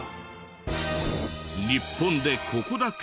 日本でここだけ？